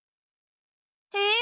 えっ？